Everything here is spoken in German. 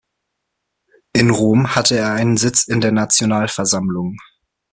In Rom hatte er einen Sitz in der Nationalversammlung.